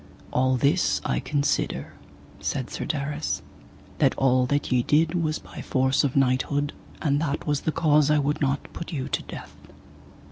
All this I consider, said Sir Darras, that all that ye did was by force of knighthood, and that was the cause I would not put you to death.